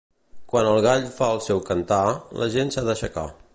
Quan el gall fa el seu cantar, la gent s'ha d'aixecar.